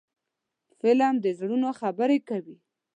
فلم د زړونو خبرې کوي